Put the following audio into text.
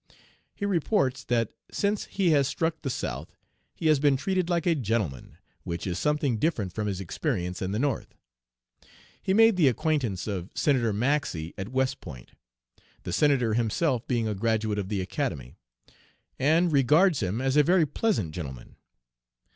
He reports that since he has struck the South he has been treated like a gentleman, which is something different from his experience in the North. He made the acquaintance of Senator Maxey at West Point the Senator himself being a graduate of the Academy and regards him as a very pleasant gentleman.